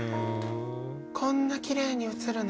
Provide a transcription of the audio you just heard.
こんなきれいに映るの？